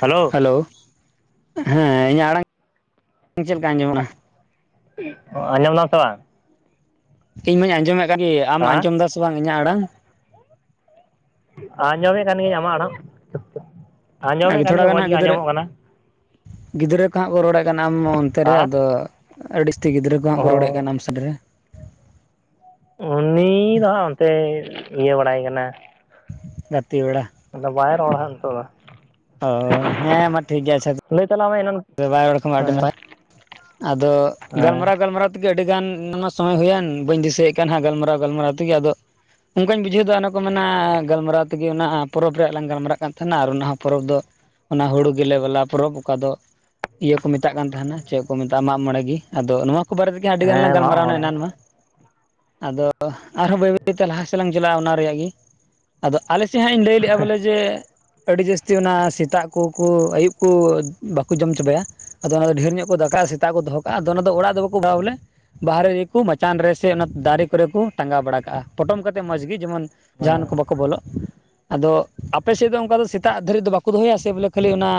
Hello. Hello, ᱦᱮᱸ ᱤᱧᱟᱹᱜ ᱟᱲᱟᱝ ᱪᱮᱫ ᱞᱮᱠᱟ ᱟᱸᱡᱚᱢᱟ ᱠᱟᱱᱟ? ᱚ ᱟᱸᱡᱚᱢ ᱫᱟᱢ ᱥᱮ ᱵᱟᱝ? ᱤᱧ ᱢᱟᱧ ᱟᱸᱡᱚᱢᱮᱫ ᱠᱟᱱ ᱜᱮ᱾ ᱟᱢ ᱦᱮᱸ ᱟᱸᱡᱚᱢ ᱫᱟᱥᱮ ᱵᱟᱝ ᱤᱧᱟᱹᱜ ᱟᱲᱟᱝ? ᱟᱸᱡᱚᱢᱮᱫ ᱠᱟᱱ ᱜᱤᱭᱟᱹᱧ ᱟᱢᱟᱜ ᱟᱲᱟᱝ ᱟᱨ ᱟᱸᱡᱚᱢᱮᱫ ᱠᱟᱱ ᱛᱷᱚᱲᱟ ᱜᱤᱭᱟᱹᱧ ᱜᱟᱱ ᱢᱚᱡᱽ ᱦᱟᱸᱜ ᱜᱮ ᱜᱤᱫᱽᱨᱟᱹ ᱟᱸᱡᱚᱢᱚᱜ ᱠᱟᱱᱟ᱾ ᱜᱤᱫᱽᱨᱟᱹ ᱠᱚᱦᱟᱸᱜ ᱠᱚ ᱨᱚᱲᱮᱫ ᱟᱢ ᱚᱱᱛᱮ ᱨᱮ ᱦᱮᱸ ᱟᱫᱚ ᱟᱹᱰᱤ ᱡᱟᱹᱥᱛᱤ ᱜᱤᱫᱽᱨᱟᱹ ᱠᱚ ᱦᱟᱸᱜ ᱚ ᱠᱚ ᱨᱚᱲᱮᱫ ᱠᱟᱱ ᱟᱢ ᱥᱮᱱ ᱨᱮ᱾ ᱩᱱᱤ ᱫᱚ ᱦᱟᱸᱜ ᱚᱱᱛᱮ ᱤᱭᱟᱹ ᱵᱟᱲᱟᱭ ᱠᱟᱱᱟ ᱜᱟᱛᱮ ᱵᱟᱲᱟ᱾ ᱟᱫᱚ ᱵᱟᱭ ᱨᱚᱲᱟ ᱦᱟᱸᱜ ᱱᱤᱛᱚᱜ ᱫᱚ᱾ ᱚ ᱦᱮᱸ ᱢᱟ ᱴᱷᱤᱠ ᱜᱮᱭᱟ ᱟᱪᱪᱷᱟ ᱞᱟᱹᱭ ᱛᱟᱞᱟᱝ ᱢᱮ [unintelligible] ᱟᱫᱚ ᱵᱟᱭ ᱨᱚᱲ ᱠᱷᱟᱱᱢᱟ ᱟᱹᱰᱤ ᱦᱮᱸ ᱱᱟᱯᱟᱭ ᱟᱫᱚ ᱦᱮᱸ ᱜᱟᱞᱢᱟᱨᱟᱣ ᱜᱟᱞᱢᱟᱨᱟᱣ ᱛᱮᱜᱮ ᱟᱹᱰᱤ ᱜᱟᱱ ᱚᱱᱟ ᱥᱚᱢᱚᱭ ᱦᱩᱭᱮᱱ ᱵᱟᱹᱧ ᱫᱤᱥᱟᱹᱭᱮᱫ ᱠᱟᱱ ᱦᱟᱸᱜ ᱜᱟᱞᱢᱟᱨᱟᱣ ᱜᱟᱞᱢᱟᱨᱟᱣ ᱛᱮᱜᱮ ᱟᱫᱚ ᱚᱱᱠᱟᱹᱧ ᱵᱩᱡᱷᱟᱹᱣᱫᱟ ᱚᱱᱟ ᱠᱚ ᱢᱮᱱᱟ ᱜᱟᱞᱢᱟᱨᱟᱣ ᱛᱮᱜᱮ ᱚᱱᱟ ᱯᱚᱨᱚᱵᱽ ᱨᱮᱭᱟᱜ ᱞᱟᱝ ᱜᱟᱞᱢᱟᱨᱟᱜ ᱠᱟᱱ ᱛᱟᱦᱮᱸᱱᱟ ᱟᱨ ᱚᱱᱟ ᱦᱚᱸ ᱯᱚᱨᱚᱵᱽ ᱫᱚ ᱚᱱᱟ ᱦᱩᱲᱩ ᱜᱮᱞᱮ ᱵᱟᱞᱟ ᱯᱚᱨᱚᱵᱽ ᱚᱠᱟ ᱫᱚ ᱤᱭᱟᱹ ᱠᱚ ᱢᱮᱛᱟᱜ ᱠᱟᱱ ᱛᱟᱦᱮᱸᱱᱟ ᱪᱮᱫ ᱠᱚ ᱢᱮᱛᱟᱜᱼᱟ ᱢᱟᱜ ᱢᱚᱬᱮ ᱜᱤ, ᱟᱫᱚ ᱱᱚᱣᱟ ᱠᱚ ᱵᱟᱨᱮ ᱛᱮᱜᱮ ᱟᱹᱰᱤᱜᱟᱱ ᱞᱟᱝ ᱦᱮᱸ ᱢᱟᱜ ᱜᱟᱞᱢᱟᱨᱟᱣᱱᱟ ᱢᱚᱬᱮ ᱮᱱᱟᱱ ᱢᱟ ᱟᱫᱚ ᱟᱨᱦᱚᱸ ᱵᱟᱹᱭ ᱵᱟᱹᱭᱛᱮ ᱞᱟᱦᱟ ᱥᱮᱞᱟᱝ ᱪᱟᱞᱟᱜᱼᱟ ᱚᱱᱟ ᱨᱮᱭᱟᱜ ᱜᱮ ᱟᱫᱚ ᱟᱞᱮ ᱥᱮᱫ ᱦᱟᱸᱜ ᱤᱧ ᱞᱟᱹᱭ ᱞᱮᱜᱼᱟ ᱵᱚᱞᱮ ᱡᱮ ᱟᱹᱰᱤ ᱡᱟᱹᱥᱛᱤ ᱚᱱᱟ ᱥᱮᱛᱟᱜ ᱠᱚᱠᱚ ᱟᱹᱭᱩᱵ ᱠᱚ ᱵᱟ ᱠᱚ ᱡᱚᱢ ᱪᱟᱵᱟᱭᱟ, ᱟᱫᱚ ᱚᱱᱟ ᱫᱚ ᱰᱷᱮᱨ ᱧᱚᱜ ᱠᱚ ᱫᱟᱠᱟᱭᱟ ᱥᱮᱛᱟᱜ ᱠᱚ ᱫᱚᱦᱚ ᱠᱟᱜᱼᱟ ᱟᱫᱚ ᱚᱱᱟ ᱫᱚ ᱚᱲᱟᱜ ᱫᱚ ᱵᱟᱠᱚ ᱵᱟᱭᱟ ᱵᱚᱞᱮ ᱵᱟᱦᱚᱨᱮ ᱨᱮᱜᱮᱠᱚ ᱢᱟᱪᱟᱱ ᱨᱮ ᱥᱮ ᱚᱱᱟ ᱫᱟᱨᱮ ᱠᱚᱨᱮ ᱠᱚ ᱴᱟᱸᱜᱟᱣ ᱵᱟᱲᱟ ᱠᱟᱜᱼᱟ ᱯᱚᱴᱚᱢ ᱠᱟᱛᱮᱫ ᱢᱚᱡᱽ ᱜᱮ ᱡᱮᱢᱚᱱ ᱦᱮᱸ ᱡᱟᱦᱟᱱ ᱠᱚ ᱵᱟᱠᱚ ᱵᱚᱞᱚᱜ, ᱟᱫᱚ ᱟᱯᱮ ᱥᱮᱫ ᱫᱚ ᱚᱱᱠᱟ ᱫᱚ ᱥᱮᱛᱟᱜ ᱫᱷᱟᱹᱨᱤᱡ ᱫᱚ ᱵᱟᱠᱚ ᱫᱚᱦᱚᱭᱟ ᱥᱮ ᱵᱚᱞᱮ ᱠᱷᱟᱹᱞᱤ ᱚᱱᱟ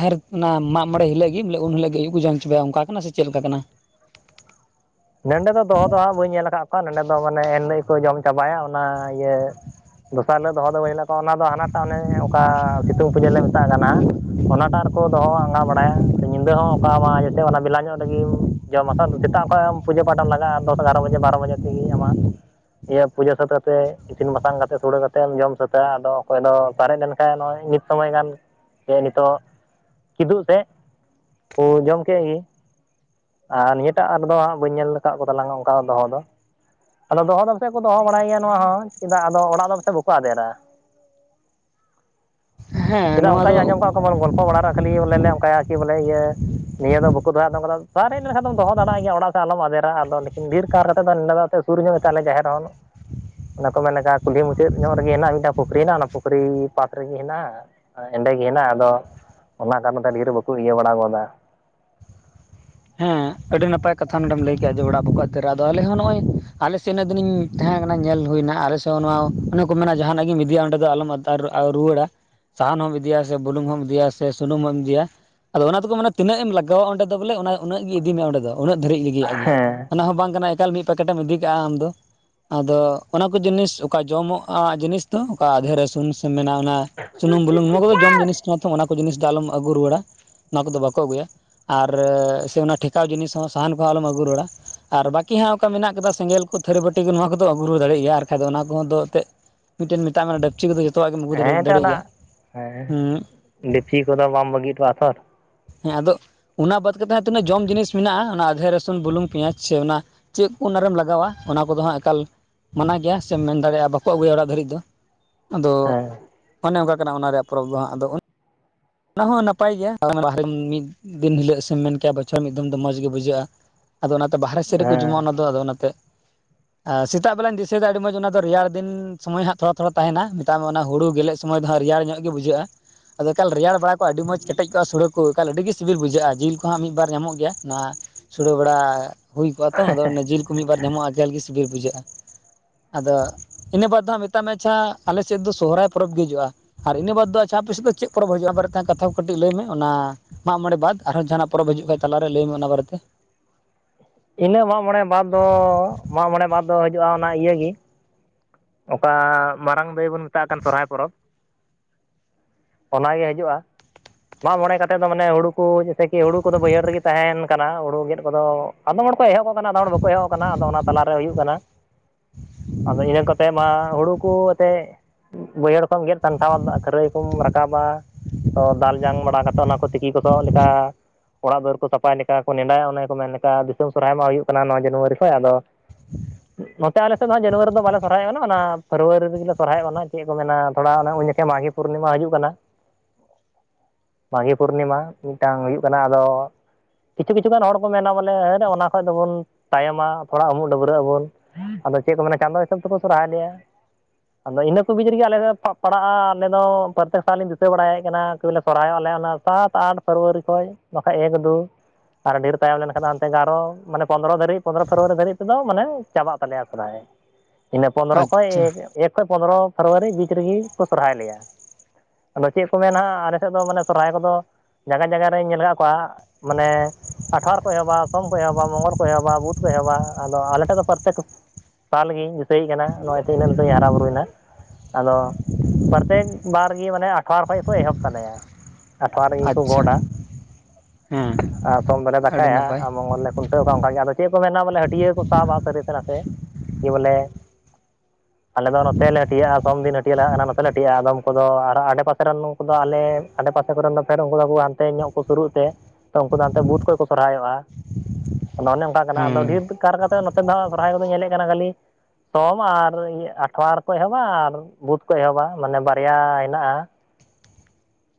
ᱦᱟᱡᱮᱨ ᱚᱱᱟ ᱢᱟᱜ ᱢᱚᱬᱮ ᱦᱤᱞᱜ ᱜᱮ ᱩᱱᱦᱤᱞᱳ ᱜᱮ ᱡᱚᱢ ᱪᱚᱵᱟᱭᱟ ᱚᱱᱠᱟ ᱠᱟᱱᱟ ᱥᱮ ᱪᱮᱫ ᱞᱮᱠᱟ ᱠᱟᱱᱟ? ᱱᱚᱸᱰᱮ ᱫᱚᱦᱚ ᱫᱚ ᱦᱟᱸᱜ ᱵᱟᱹᱧ ᱧᱮᱞ ᱠᱟᱫ ᱠᱚᱣᱟ ᱱᱚᱸᱰᱮ ᱫᱚ ᱢᱟᱱᱮ ᱮᱱ ᱦᱤᱞᱳᱜ ᱠᱚ ᱡᱚᱢ ᱪᱟᱵᱟᱭᱟ ᱚᱱᱟ ᱤᱭᱟᱹ ᱫᱚᱥᱟᱨ ᱦᱤᱞᱳᱜ ᱫᱚᱦᱚ ᱫᱚ [unintelligible] ᱚᱱᱟ ᱫᱚ ᱦᱟᱱᱟᱴᱟᱜ ᱚᱱᱮ ᱚᱠᱟ ᱥᱤᱛᱩᱝ ᱯᱩᱡᱟᱹ ᱞᱮ ᱢᱮᱛᱟᱜ ᱠᱟᱱᱟ ᱚᱱᱟᱴᱟᱜ ᱨᱮᱠᱚ ᱫᱚᱦᱚᱣᱟ, ᱵᱚᱸᱜᱟ ᱵᱟᱲᱟᱭᱟ ᱥᱮ ᱧᱤᱫᱟᱹ ᱦᱚᱸ ᱚᱠᱟ ᱢᱟ ᱡᱮᱥᱮ ᱚᱠᱟ ᱵᱮᱞᱟ ᱧᱚᱜ ᱨᱮᱜᱤ ᱡᱚᱢᱠᱟᱜ ᱨᱮᱜᱤ ᱥᱮᱛᱟᱜ [unintelligible] ᱯᱩᱡᱟᱹ ᱯᱟᱴᱟᱢ ᱞᱟᱜᱟᱜᱼᱟ ᱫᱚᱥ ᱮᱜᱟᱨᱚ ᱵᱟᱡᱮ ᱵᱟᱨᱚ ᱵᱟᱡᱮ ᱛᱮᱜᱮ ᱟᱢᱟᱜ ᱤᱭᱟᱹ ᱯᱩᱡᱟᱹ ᱥᱟᱹᱛ ᱾ ᱤᱥᱤᱱ ᱵᱟᱥᱟᱝ ᱠᱟᱛᱮᱫ ᱥᱩᱲᱮ ᱠᱟᱛᱮᱢ ᱡᱚᱢ ᱥᱟᱹᱛᱟᱹᱜᱼᱟ ᱟᱫᱚ ᱚᱠᱚᱭ ᱫᱚ ᱥᱟᱨᱮᱡ ᱞᱮᱠᱷᱟ ᱢᱤᱫ ᱥᱚᱢᱚᱭ ᱜᱟᱱ᱾ ᱡᱮ ᱱᱤᱛᱚᱜ ᱠᱤᱫᱩᱵ ᱥᱮᱫ ᱳ ᱡᱚᱢ ᱠᱮᱫ ᱜᱮ᱾ ᱟᱨ ᱱᱤᱭᱟᱹᱴᱟᱜ ᱦᱟᱴ ᱵᱟᱹᱧ ᱧᱮᱞ ᱟᱠᱟᱫ ᱠᱚ ᱛᱟᱞᱟᱝ ᱚᱱᱠᱟ ᱫᱚᱦᱚ ᱫᱚ᱾ ᱟᱫᱚ ᱫᱚᱦᱚ ᱯᱟᱥᱮᱫ ᱠᱚ ᱫᱚᱦᱚ ᱵᱟᱲᱟᱭ ᱜᱮᱭᱟ ᱱᱚᱣᱟ ᱦᱚᱸ ᱪᱮᱫᱟᱜ ᱟᱫᱚ ᱚᱲᱟᱜ ᱫᱚ ᱯᱟᱥᱮᱫ ᱵᱟᱝᱠᱚ ᱟᱫᱮᱨᱟ᱾ ᱦᱮᱸ ᱪᱮᱫᱟᱜ ᱱᱚᱣᱟ ᱚᱱᱠᱟᱧ ᱫᱚ ᱟᱸᱡᱚᱢ ᱠᱟᱜ ᱜᱚᱞᱯᱚ ᱵᱟᱲᱟ ᱨᱮ ᱠᱷᱟᱹᱞᱤ ᱵᱚᱞᱮ ᱞᱮ ᱚᱱᱠᱟᱭ ᱠᱤ ᱵᱚᱞᱮ ᱤᱭᱟᱹ᱾ ᱱᱤᱭᱟᱹ ᱫᱷᱟᱣ ᱵᱟᱠᱚ ᱫᱟᱜ ᱟᱫᱟ ᱢᱟᱱᱮ ᱫᱟᱜ ᱟᱨᱮᱡ ᱞᱮᱱᱠᱷᱟᱱ ᱫᱚ ᱫᱚᱦᱚ ᱫᱟᱲᱮᱭᱟᱜ ᱜᱮ ᱚᱲᱟᱜ᱾ ᱟᱞᱚᱢ ᱟᱫᱨᱟ ᱟᱫᱚ ᱞᱮᱠᱤᱱ ᱵᱤᱨ ᱠᱟᱨ ᱥᱩᱨ ᱧᱚᱜ ᱠᱮᱛᱟᱞᱮ ᱡᱟᱦᱮᱨ ᱦᱚᱸ᱾ ᱚᱱᱟ ᱠᱚ ᱢᱮᱱ ᱠᱩᱞᱦᱤ ᱢᱩᱪᱟᱹᱫ ᱧᱚᱜ ᱨᱮᱜᱮ ᱦᱮᱱᱟᱜᱼᱟ ᱢᱤᱫᱴᱟᱝ ᱯᱩᱠᱷᱨᱤ ᱦᱮᱱᱟᱜ ᱚᱱᱟ ᱯᱩᱠᱷᱨᱤ ᱯᱟᱥ ᱨᱮᱜᱮ ᱦᱮᱱᱟᱜᱼᱟ᱾ ᱮᱸᱰᱮᱜᱮ ᱦᱮᱱᱟᱜᱼᱟ ᱟᱫᱚ ᱚᱱᱟ [unintelligible] ᱤᱭᱟᱹ ᱵᱟᱲᱟ ᱜᱚᱫᱟ᱾ ᱦᱮᱸ ᱟᱹᱰᱤ ᱱᱟᱯᱟᱭ ᱠᱟᱛᱷᱟ ᱱᱚᱸᱰᱮᱢ ᱞᱟᱹᱭ ᱠᱮᱫᱼᱟ ᱡᱮ ᱚᱲᱟᱜ ᱵᱟᱠᱳ ᱟᱫᱮᱨᱟ ᱟᱫᱚ ᱟᱞᱮ ᱦᱚᱸ ᱱᱚᱜᱼ ᱚ ᱟᱞᱮᱥᱮᱫ ᱫᱩᱱᱤᱱ᱾ ᱛᱟᱦᱮᱸ ᱠᱟᱱᱟ ᱧᱮᱞ ᱦᱩᱭᱱᱟ ᱟᱞᱮ ᱥᱮᱫ ᱱᱚᱣᱟ ᱚᱱᱮ ᱠᱚ ᱢᱮᱱᱟ ᱡᱟᱦᱟᱱᱟᱜ ᱜᱮ ᱤᱫᱤᱭᱟ ᱚᱸᱰᱮ ᱫᱚ ᱟᱞᱚᱢ ᱟᱛᱟᱨ ᱨᱩᱣᱟᱹᱲᱟ᱾ ᱥᱟᱦᱟᱱ ᱦᱚᱢ ᱤᱫᱤᱭᱟ ᱥᱮ ᱵᱩᱞᱩᱝ ᱦᱚᱢ ᱤᱫᱤᱭᱟ ᱥᱮ ᱥᱩᱱᱩᱢ ᱦᱚᱢ ᱤᱫᱤᱭᱟ᱾ ᱟᱫᱚ ᱚᱱᱟ ᱛᱮᱠᱚ ᱢᱟᱱᱮ ᱛᱤᱱᱟᱹᱜ ᱮᱢ ᱞᱟᱜᱟᱣᱟ ᱚᱸᱰᱮ ᱵᱚᱞᱮ ᱚᱱᱟ᱾ ᱩᱱᱟᱹᱜ ᱜᱮ ᱤᱫᱤ ᱢᱮ ᱚᱸᱰᱮ ᱫᱚ ᱩᱱᱟᱹᱜ ᱫᱷᱟᱹᱨᱤᱡ ᱨᱮᱜᱮᱭᱟᱜ ᱜᱮ ᱦᱮᱸ ᱚᱱᱟ ᱦᱚᱸ ᱵᱟᱝ ᱠᱟᱱᱟ ᱮᱠᱟᱞ ᱢᱤᱫ ᱯᱮᱠᱮᱴᱮ ᱮᱢ ᱤᱫᱤ ᱠᱟᱜᱼᱟ ᱟᱢ ᱫᱚ᱾ ᱟᱫᱚ ᱚᱱᱟᱠᱚ ᱡᱤᱱᱤᱥ ᱚᱠᱟ ᱡᱚᱢᱚᱜ-ᱟ ᱡᱤᱱᱤᱥ ᱫᱚ ᱚᱠᱟ ᱟᱫᱮ ᱨᱟᱥᱩᱱ ᱥᱮᱢ ᱢᱮᱱᱟ ᱚᱱᱟ᱾ ᱥᱩᱱᱩᱢ ᱵᱩᱞᱩᱝ ᱱᱚᱣᱟ ᱠᱚᱫᱚ ᱡᱚᱢ ᱡᱤᱱᱤᱥ᱾ ᱚᱱᱟ ᱠᱚ ᱡᱤᱱᱤᱥ ᱫᱚ ᱟᱞᱚᱢ ᱟᱹᱜᱩ ᱨᱩᱣᱟᱹᱲᱟ ᱱᱚᱣᱟ ᱠᱚᱫᱚ ᱵᱟᱠᱚ ᱟᱹᱜᱩᱭᱟ ᱟᱨ ᱚᱱᱟ ᱴᱷᱮᱠᱟᱣ ᱡᱤᱱᱤᱥ ᱦᱚᱸ ᱥᱟᱦᱟᱱ ᱠᱚᱦᱚᱸ ᱟᱞᱚᱢ ᱟᱹᱜᱩ ᱨᱩᱭᱟᱹᱲ-ᱟ᱾ ᱟᱨ ᱵᱟᱹᱠᱤ ᱦᱟᱸᱜ ᱚᱠᱟ ᱢᱮᱱᱟᱜ ᱠᱟᱫᱟ ᱥᱮᱸᱜᱮᱞ ᱠᱚ ᱛᱷᱟᱹᱨᱤ ᱵᱟᱹᱴᱤ ᱠᱚ ᱱᱚᱣᱟ ᱠᱚᱫᱚ ᱟᱹᱜᱩ ᱨᱩᱭᱟᱹᱲ ᱫᱟᱲᱮᱭᱟᱜ ᱜᱮᱭᱟ ᱟᱨ ᱵᱟᱠᱷᱟᱡ‌ᱫᱚ ᱚᱱᱟ ᱠᱚᱫᱚ ᱛᱮᱜ᱾ ᱢᱤᱴᱤᱡ ᱢᱮᱛᱟᱜ ᱢᱮ ᱰᱮᱠᱪᱤ ᱠᱚᱫᱚ ᱡᱚᱛᱚᱣᱟᱜ ᱜᱮᱢ ᱟᱹᱜᱩ ᱦᱮᱸ ᱫᱟᱲᱮᱭᱟᱜ ᱜᱮᱭᱟ ᱦᱚᱸ᱾ ᱰᱮᱠᱪᱤ ᱠᱚᱫᱚ ᱵᱟᱢ ᱵᱟᱹᱜᱤ ᱦᱚᱴᱚᱜᱼᱟ ᱛᱚ᱾ ᱦᱮᱸ ᱟᱫᱚ ᱚᱱᱟ ᱵᱟᱫ ᱠᱟᱛᱮᱫ ᱦᱚᱸ ᱛᱤᱱᱟᱹᱜ ᱡᱚᱢ ᱡᱤᱱᱤᱥ ᱢᱮᱱᱟᱜᱼᱟ ᱚᱱᱟ ᱟᱫᱷᱮ ᱨᱟᱹᱥᱩᱱ ᱵᱩᱞᱩᱝ ᱯᱮᱸᱭᱟᱡ ᱥᱮ ᱚᱱᱟ᱾ ᱪᱮᱫ ᱠᱚ ᱚᱱᱟᱨᱮᱢ ᱞᱟᱜᱟᱣᱟ ᱚᱱᱟ ᱠᱚᱫᱚ ᱦᱟᱸᱜ ᱮᱠᱟᱞ᱾ ᱢᱟᱱᱟ ᱜᱮᱭᱟ ᱢᱮᱱ ᱫᱟᱲᱮᱭᱟᱜᱼᱟ ᱵᱟᱠᱚ ᱟᱹᱜᱩᱭᱟ ᱚᱲᱟᱜ ᱫᱷᱟᱹᱨᱤᱡ ᱫᱚ᱾ ᱟᱫᱚ ᱦᱮᱸ ᱚᱱᱮ ᱚᱱᱠᱟ ᱠᱟᱱᱟ ᱚᱱᱟ ᱨᱮᱭᱟᱜ ᱯᱚᱨᱚᱵᱽ ᱫᱚ ᱦᱟᱸᱜ ᱟᱫᱚ᱾ ᱚᱱᱟ ᱦᱚᱸ ᱱᱟᱯᱟᱭ ᱜᱮᱭᱟ ᱵᱟᱦᱨᱮ ᱢᱤᱫ ᱫᱤᱱ ᱦᱤᱞᱳᱜ ᱥᱮᱢ ᱢᱮᱱ ᱠᱮᱭᱟ ᱵᱚᱪᱷᱚᱨ ᱢᱤᱫᱢ ᱫᱚ ᱢᱚᱸᱡᱽ ᱜᱮ ᱵᱩᱡᱷᱟᱹᱜᱼᱟ᱾ ᱟᱫᱚ ᱚᱱᱟᱛᱮ ᱵᱟᱦᱨᱮ ᱥᱮᱫ ᱨᱮᱠᱚ ᱡᱚᱢᱟᱼᱟ ᱦᱮᱸ ᱚᱱᱟ ᱫᱚ ᱟᱫᱚ ᱚᱱᱟᱛᱮ᱾ ᱟᱨ ᱥᱮᱛᱟᱜ ᱵᱮᱞᱟᱧ ᱫᱤᱥᱟᱹᱭᱮᱫᱟ ᱟᱹᱰᱤ ᱢᱚᱸᱡᱽ ᱚᱱᱟ ᱫᱚ ᱨᱮᱭᱟᱲ ᱫᱤᱱ ᱥᱚᱢᱚᱭ ᱦᱟᱜ ᱛᱷᱚᱲᱟ ᱛᱷᱚᱲᱟ ᱛᱟᱦᱮᱱᱟ᱾ ᱛᱟ ᱚᱱᱟ ᱦᱩᱲᱩ ᱜᱮᱞᱮ ᱥᱚᱢᱚᱭ ᱫᱚ ᱦᱟᱸᱜ ᱨᱮᱭᱟᱲ ᱧᱚᱜ ᱜᱮ ᱵᱡᱷᱟᱹᱜᱼᱟ ᱟᱫᱚ ᱮᱠᱟᱞ ᱨᱮᱭᱟᱲ᱾ ᱵᱟ ᱵᱟᱲᱟ ᱠᱚ ᱟᱹᱰᱤ ᱢᱚᱡᱽ ᱠᱮᱴᱮᱡ ᱠᱚᱼᱟ ᱥᱩᱲᱟᱹ ᱠᱚ ᱮᱱᱠᱷᱟᱱ ᱟᱹᱰᱤ ᱜᱮ ᱥᱤᱵᱤᱞ ᱵᱩᱡᱷᱟᱹᱜᱼᱟ ᱡᱤᱞ ᱠᱚᱦᱚᱸ ᱢᱤᱫ ᱵᱟᱨ ᱧᱟᱢᱚᱜ ᱜᱮᱭᱟ ᱱᱚᱣᱟ᱾ ᱥᱩᱲᱟᱹ ᱵᱟᱲᱟ ᱦᱩᱭ ᱠᱚᱜᱼᱟ ᱛᱚ ᱟᱫᱚᱰᱮ ᱡᱤᱞ ᱠᱚ ᱢᱤᱫᱵᱟᱨ ᱧᱟᱢᱚᱜᱼᱟ ᱮᱠᱟᱞᱜᱮ ᱥᱤᱵᱤᱞ ᱵᱩᱡᱷᱟᱹᱜᱼᱟ᱾ ᱟᱫᱚ ᱤᱱᱟᱹ ᱵᱟᱫ ᱫᱚ ᱢᱮᱛᱟᱜ ᱢᱮ ᱪᱷᱟ ᱟᱞᱮ ᱥᱮᱫ ᱫᱚ ᱥᱚᱨᱦᱟᱭ ᱯᱚᱨᱚᱵᱽ ᱜᱮ ᱦᱤᱡᱩᱜᱼᱟ᱾ ᱟᱨ ᱤᱱᱟᱹ ᱵᱟᱫᱽ ᱫᱚ ᱟᱪᱷᱟ ᱟᱯᱮ ᱥᱮᱡ ᱫᱚ ᱪᱮᱫ ᱯᱚᱨᱚᱵᱽ ᱦᱩᱭᱩᱜᱼᱟ᱾ ᱢᱤᱫ ᱠᱟᱛᱷᱟ ᱠᱚ ᱠᱟᱹᱴᱤᱡ ᱞᱟᱹᱭ ᱢᱮ ᱚᱱᱟ ᱢᱟᱜ ᱢᱚᱬᱮ ᱵᱟᱫ ᱟᱨᱦᱚᱸ ᱡᱟᱦᱟᱱᱟᱜ ᱯᱚᱨᱚᱵᱽ ᱦᱤᱡᱩᱜ ᱠᱷᱟᱱ ᱛᱟᱞᱟᱨᱮ ᱞᱟᱹᱭ ᱢᱮ ᱚᱱᱟ ᱵᱟᱨᱮᱛᱮ᱾ ᱤᱱᱟᱹᱜ ᱢᱟᱜ ᱢᱚᱬᱮ ᱵᱟᱫᱽ ᱫᱚ ᱢᱟᱜ ᱢᱚᱬᱮ ᱵᱟᱫᱽ ᱫᱚ ᱦᱤᱡᱩᱜᱼᱟ ᱚᱱᱟ ᱤᱭᱟᱹ ᱜᱮ᱾ ᱚᱠᱟ ᱢᱟᱨᱟᱝ ᱫᱟᱹᱭ ᱵᱚᱱ ᱢᱮᱛᱟᱜ ᱠᱟᱱ ᱥᱚᱨᱦᱟᱹᱭ ᱯᱚᱨᱚᱵᱽ ᱚᱱᱟᱜᱮ ᱦᱤᱡᱩᱜᱼᱟ᱾ ᱢᱟᱜ ᱢᱚᱬᱮ ᱠᱟᱛᱮᱫ ᱫᱚ ᱢᱟᱱᱮ ᱦᱩᱲᱩ ᱠᱚ ᱡᱮᱭᱥᱮ ᱠᱤ ᱦᱩᱲᱩ ᱠᱚᱫᱚ ᱵᱟᱹᱭᱦᱟᱹᱲ ᱨᱮᱜᱮ ᱛᱟᱦᱮᱱ ᱠᱟᱱᱟ ᱦᱩᱲᱩ ᱜᱮᱫ ᱠᱚᱫᱚ᱾ ᱟᱫᱚᱢ ᱦᱚᱲ ᱠᱚ ᱮᱦᱚᱵ ᱟᱠᱟᱱᱟ ᱟᱫᱚᱢ ᱦᱚᱲ ᱵᱟᱠᱚ ᱮᱦᱚᱵ ᱟᱠᱟᱱᱟ ᱟᱫᱚ ᱚᱱᱟ ᱛᱟᱞᱟᱨᱮ ᱦᱩᱭᱩᱜ ᱠᱟᱱᱟ᱾ ᱟᱫᱚ ᱤᱱᱟᱹ ᱠᱚᱛᱮ ᱢᱟ ᱦᱩᱲᱩ ᱠᱚ ᱮᱛᱮᱜ᱾ ᱵᱟᱹᱭᱦᱟᱹᱲ ᱠᱚᱢ ᱜᱮᱫ ᱥᱟᱢᱴᱷᱟᱣᱟ ᱠᱷᱟᱹᱨᱟᱹᱭ ᱠᱚᱢ ᱨᱟᱠᱟᱵᱟ ᱛᱚ ᱫᱟᱞ᱾ ᱡᱟᱝ ᱵᱟᱲᱟ ᱠᱟᱛᱮ ᱚᱱᱟ ᱠᱚ ᱛᱤᱠᱤ ᱠᱚᱥᱚᱜ ᱞᱮᱠᱟ᱾ ᱚᱲᱟᱜ ᱫᱩᱣᱟᱹᱨ ᱠᱚ ᱥᱟᱯᱟᱭ ᱞᱮᱠᱟ ᱠᱚ ᱱᱮᱰᱟᱭᱟ ᱚᱱᱮ ᱠᱚ ᱢᱮᱱ ᱞᱮᱠᱟ ᱫᱤᱥᱚᱢ ᱥᱚᱨᱦᱟᱭ ᱢᱟ ᱦᱩᱭᱩᱜ ᱠᱟᱱᱟ ᱱᱚᱭ ᱡᱟᱱᱩᱣᱟᱨᱤ ᱠᱷᱚᱱᱚᱡ ᱟᱫᱚ᱾ ᱱᱚᱛᱮ ᱟᱞᱮ ᱥᱮᱫ ᱫᱚ ᱦᱟᱜ ᱡᱟᱱᱩᱣᱟᱨᱤ ᱫᱚ ᱵᱟᱞᱮ ᱥᱚᱨᱦᱟᱸᱭᱚᱜ ᱠᱟᱱᱟ ᱚᱱᱟ ᱯᱷᱮᱵᱽᱨᱩᱭᱟᱨᱤ ᱨᱮᱜᱮ ᱥᱚᱨᱦᱟᱹᱭᱚᱜᱼᱟ᱾ ᱪᱮᱫ ᱠᱚ ᱢᱮᱱᱟ ᱛᱷᱚᱲᱟ ᱩᱱ ᱡᱚᱠᱷᱟᱱ ᱢᱟᱜᱷᱤ ᱯᱩᱨᱱᱤᱢᱟ ᱦᱤᱡᱩᱜ ᱠᱟᱱᱟ᱾ ᱢᱟᱜᱮ ᱯᱩᱨᱱᱤᱢᱟ ᱢᱤᱫᱴᱟᱝ ᱦᱩᱭᱩᱜ ᱠᱟᱱᱟ ᱟᱫᱚ ᱠᱤᱪᱷᱩ ᱠᱤᱪᱷᱩ ᱜᱟᱱ ᱦᱚᱲ ᱠᱚ ᱢᱮᱱᱟ ᱵᱚᱞᱮ ᱦᱮᱴ ᱚᱱᱟ ᱠᱷᱚᱱ ᱫᱚᱵᱚᱱ ᱛᱟᱭᱚᱢᱟ ᱛᱷᱚᱲᱟ ᱩᱢᱩᱜ ᱰᱟᱹᱵᱨᱟᱹᱜ ᱟᱵᱚᱱ᱾ ᱟᱫᱚ ᱪᱮᱫ ᱠᱚ ᱢᱮᱱᱟ ᱪᱟᱸᱫᱳ ᱦᱤᱥᱟᱹᱵ ᱛᱮᱠᱚ ᱥᱚᱨᱦᱟᱹᱭ ᱞᱮᱭᱟ᱾ ᱟᱫᱚ ᱤᱱᱟᱹ ᱠᱚ ᱜᱤ ᱨᱮᱜᱮ ᱟᱞᱮ ᱫᱚ ᱯᱟᱲᱟᱜᱼᱟ ᱟᱞᱮ ᱫᱚ ᱯᱨᱚᱛᱛᱮᱠ ᱥᱟᱞᱤᱧ ᱫᱤᱥᱟᱹ ᱵᱟᱲᱟᱭᱮᱫ ᱠᱟᱱᱟ, [unintelligible] ᱥᱚᱨᱦᱟᱹᱭᱚᱜᱼᱟᱞᱮ ᱚᱱᱟ ᱥᱟᱛ ᱟᱴ ᱯᱷᱮᱵᱽᱨᱩᱣᱟᱨᱤ ᱠᱷᱚᱱ ᱵᱟᱠᱷᱟᱡ ᱮᱠ ᱫᱩ, ᱟᱨ ᱰᱷᱮᱨ ᱛᱟᱭᱚᱢ ᱞᱮᱱᱠᱷᱟᱱ ᱦᱟᱱᱛᱮ ᱟᱨᱦᱚ ᱢᱟᱱᱮ ᱯᱚᱱᱨᱚ ᱫᱷᱟᱹᱨᱤᱡ ᱯᱚᱱᱨᱚ ᱯᱷᱮᱮᱨᱨᱣᱟᱨᱤ ᱫᱷᱟᱹᱨᱤᱡ ᱛᱮᱫᱚ ᱢᱟᱱ ᱪᱟᱵᱟᱜ ᱛᱟᱞᱮᱭᱟ ᱥᱚᱦᱨᱟᱭ᱾ ᱤᱱᱟᱹ ᱯᱚᱸᱫᱨᱚ ᱠᱷᱚᱭ ᱟᱪᱪᱷᱟ ᱤᱱᱟ ᱠᱷᱚᱡ ᱯᱚᱱᱨᱚ ᱯᱷᱮᱵᱽᱨᱩᱣᱟᱨᱤ ᱵᱤᱪ ᱨᱮᱜᱮ ᱠᱚ ᱥᱚᱨᱦᱟᱹᱭ ᱞᱮᱭᱟ ᱟᱫᱚ ᱪᱮᱫ ᱠᱚ ᱢᱮᱱᱟ ᱦᱟᱸᱜ ᱟᱞᱮ ᱥᱮᱫ ᱫᱚ ᱢᱟᱱᱮ ᱥᱚᱨᱦᱟᱹᱭ ᱠᱚᱫᱚ ᱡᱟᱭᱜᱟ ᱡᱟᱭᱜᱟ ᱨᱤᱧ ᱧᱮᱞ ᱠᱟᱫ ᱠᱚᱣᱟ ᱢᱟᱱᱮ ᱟᱴᱷᱟᱨ ᱠᱚ ᱮᱦᱚᱵᱟ ᱥᱚᱢ ᱠᱚ ᱮᱦᱚᱵᱟ ᱢᱚᱝᱜᱚᱞ ᱠᱚ ᱮᱦᱚᱵᱟ ᱵᱩᱫᱷ ᱠᱚ ᱮᱦᱚᱵᱟ ᱟᱫᱚ ᱟᱞᱮ ᱴᱷᱮᱱ ᱫᱚ ᱯᱨᱚᱛᱛᱮᱠ ᱥᱟᱞ ᱜᱤᱧ ᱫᱤᱥᱟᱹᱭᱮᱫ ᱠᱟᱱᱟ ᱱᱚᱜᱼᱚᱭᱛᱚ ᱤᱱᱟᱹ ᱞᱟᱹᱴᱩ ᱫᱚᱧ ᱦᱟᱨᱟ ᱵᱩᱨᱩᱭᱱᱟ, ᱟᱫᱚ ᱯᱨᱚᱛᱮᱠ ᱵᱟᱨ ᱜᱮ ᱢᱟᱱᱮ ᱟᱴᱷᱣᱟᱨᱚ ᱠᱷᱚᱱ ᱠᱚ ᱮᱦᱚᱵ ᱛᱟᱞᱮᱭᱟ᱾ ᱟᱴᱷᱟᱨᱤ ᱨᱮᱜᱮ ᱠᱚ ᱟᱪᱪᱷᱟ ᱜᱚᱰᱟ ᱦᱮᱸ ᱟᱨ ᱥᱚᱢ ᱫᱚᱞᱮ ᱟᱹᱰᱤ ᱫᱟᱠᱟᱭᱟ ᱱᱟᱯᱟᱭ ᱟᱨ ᱢᱚᱝᱜᱚᱞ ᱞᱮ ᱠᱷᱩᱱᱴᱟᱹᱣ ᱠᱟᱣᱟᱼᱟ ᱚᱱᱠᱟᱜ ᱜᱮ ᱟᱫᱚ ᱪᱮᱫ ᱠᱚ ᱢᱮᱱᱟ ᱵᱚᱞᱮ ᱦᱟᱹᱴᱭᱟᱹ ᱠᱚ ᱥᱟᱵᱟ ᱥᱟᱹᱨᱤ ᱥᱮ ᱱᱟᱸᱥᱮ ᱠᱤ ᱵᱚᱞᱮ ᱟᱞᱮ ᱫᱚ ᱱᱚᱛᱮᱞᱮ ᱦᱟᱹᱴᱤᱭᱼᱟ ᱥᱚᱢᱫᱤᱱ ᱦᱟᱹᱴᱭᱟᱜᱼᱟ ᱚᱱᱟ ᱱᱚᱛᱮᱟᱹᱤᱡᱼᱟᱫᱚᱢ ᱠᱚᱫᱚ ᱟᱨ ᱟᱰᱮ ᱯᱟᱥᱮ ᱨᱮᱱ ᱫᱚ ᱟᱞᱮ ᱟᱰᱮᱯᱟᱥᱮ ᱠᱚᱨᱮᱱ ᱫᱚ ᱯᱷᱰ ᱩᱱᱠᱩ ᱫᱚᱠᱚ ᱦᱟᱸᱱᱛᱮ ᱧᱚᱜ ᱠᱚ ᱥᱩᱨᱩᱜ ᱛᱮ ᱛᱚ ᱩᱱᱠᱩ ᱫᱚ ᱦᱟᱱᱛᱮ ᱵᱩᱫ ᱠᱷᱚᱱ ᱠᱚ ᱥᱚᱨᱦᱟᱭᱚᱜᱼᱟ᱾ ᱟᱫᱚ ᱚᱱᱮ ᱚᱱᱠᱟ ᱠᱟᱱᱟ ᱟᱫᱚ ᱦᱮᱸ ᱰᱷᱮᱨ ᱠᱟᱨ ᱠᱟᱛᱮ ᱱᱚᱛᱮ ᱫᱚ ᱦᱟᱸᱜ ᱥᱚᱨᱦᱟᱹᱭ ᱠᱚᱫᱚ ᱧᱮᱞᱮᱫ ᱠᱟᱱᱟ ᱠᱷᱟᱹᱞᱤ ᱥᱚᱢ ᱟᱨ ᱟᱴᱷᱣᱟᱨ ᱠᱚ ᱮᱦᱚᱵᱟ ᱟᱨ ᱵᱩᱫᱷ ᱠᱷᱚᱱ ᱮᱦᱚᱵᱟ ᱢᱟᱱᱮ ᱵᱟᱨᱭᱟ ᱦᱮᱸᱱᱟᱜᱼᱟ,